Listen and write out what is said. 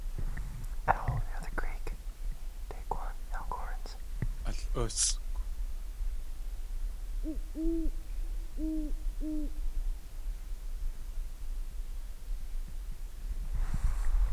Al.úsʼkw.